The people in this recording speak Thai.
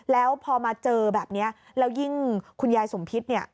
แล้วพอมาเจอแบบนี้แล้วยิ่งคุณยายสมพิษเนี่ย